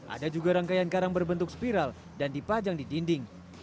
ada juga rangkaian karang berbentuk spiral dan dipajang di dinding